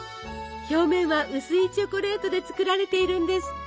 表面は薄いチョコレートで作られているんですって。